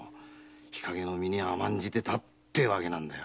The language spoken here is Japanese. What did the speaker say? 日陰の身に甘んじてたってわけなんだよ。